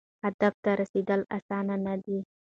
هدف ته رسیدل اسانه نه دي.